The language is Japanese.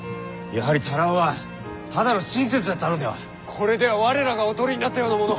これでは我らがおとりになったようなもの。